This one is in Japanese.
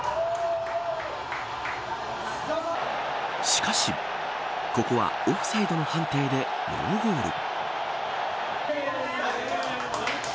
しかし、ここはオフサイドの判定でノーゴール。